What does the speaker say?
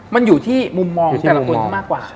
มันอยู่ที่มุมมองของแต่ละคนที่มากกว่า